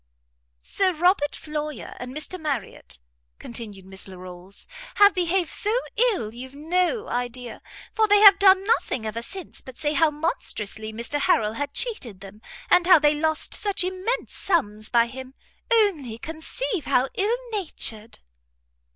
"Sir Robert Floyer and Mr Marriot," continued Miss Larolles, "have behaved so ill you've no idea, for they have done nothing ever since but say how monstrously Mr Harrel had cheated them, and how they lost such immense sums by him; only conceive how ill natured!"